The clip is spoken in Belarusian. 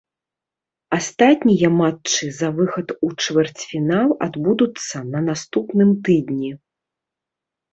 Астатнія матчы за выхад у чвэрцьфінал адбудуцца на наступным тыдні.